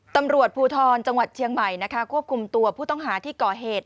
ตำรวจภูทรจังหวัดเชียงใหม่นะคะควบคุมตัวผู้ต้องหาที่ก่อเหตุ